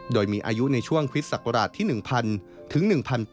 โดยมีอายุในช่วงคริสต์ศักราชที่๑๐๐ถึง๑๘๐๐